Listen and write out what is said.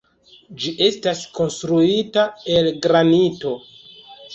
Ĝi estas konstruita el granito.